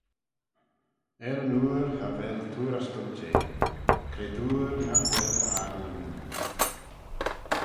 Er yn ooir cha vel tuarystal jeh, cretoor nagh vel aggle ayn.